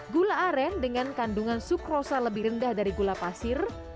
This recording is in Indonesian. gula aren dengan kandungan sukrosa lebih rendah dari gula pasir